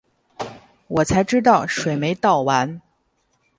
我才知道水没倒完